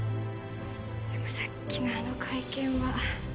でもさっきのあの会見は